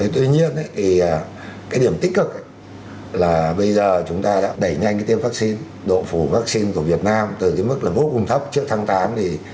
tuy nhiên thì cái điểm tích cực là bây giờ chúng ta đã đẩy nhanh cái tiêm vắc xin độ phục vắc xin của việt nam từ cái mức là vô cùng thấp trước tháng tám thì